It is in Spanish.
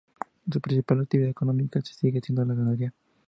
Su principal actividad económica sigue siendo la ganadería.